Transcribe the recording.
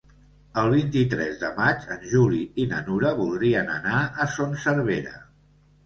El vint-i-tres de maig en Juli i na Nura voldrien anar a Son Servera.